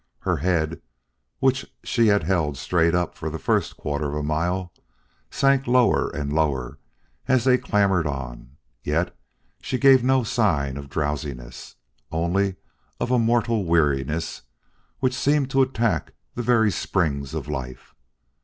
Her head, which she had held straight up for the first quarter of a mile, sank lower and lower as they clambered on; yet she gave no signs of drowsiness only of a mortal weariness which seemed to attack the very springs of life.